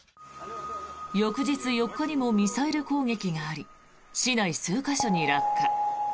翌日４日にもミサイル攻撃があり市内数か所に落下。